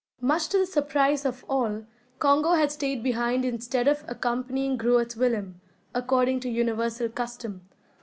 Much to the surprise or all, Congo had stayed behind instead of accompanying Groot Willem, according to universal custom.